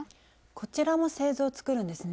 こちらも製図を作るんですね。